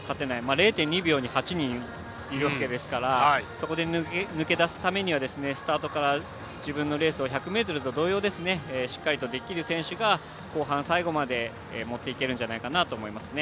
０．２秒に８人いるわけですからそこで抜け出すためにはスタートから自分のレースを１００ｍと同様しっかりとできる選手が後半、最後までもっていけるんじゃないかなと思いますね。